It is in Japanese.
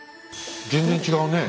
全然違うね。